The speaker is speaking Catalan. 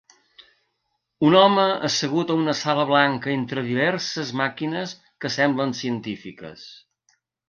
Un home assegut a una sala blanca entre diverses màquines que semblen científiques.